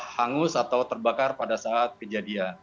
hangus atau terbakar pada saat kejadian